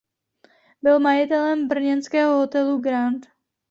Byl majitelem brněnského hotelu Grand.